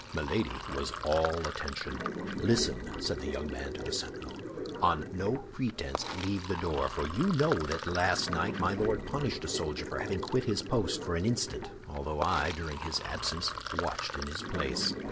Milady was all attention. "Listen," said the young man to the sentinel. "On no pretense leave the door, for you know that last night my Lord punished a soldier for having quit his post for an instant, although I, during his absence, watched in his place."